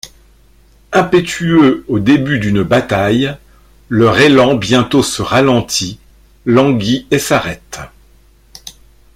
Impétueux au début d'une bataille, leur élan bientôt se ralentit, languit et s'arrête.